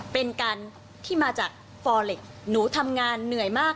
เป็นการที่มาจากฟอเล็กหนูทำงานเหนื่อยมาก